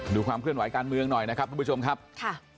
ความเคลื่อนไหวการเมืองหน่อยนะครับทุกผู้ชมครับค่ะ